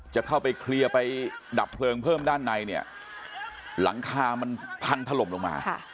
จะเข้าไปเคลียร์ไปดับเพลิงเพิ่มด้านในเนี่ยหลังคามันพังถล่มลงมา